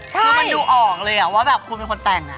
คือมันดูออกเลยว่าแบบคุณเป็นคนแต่ง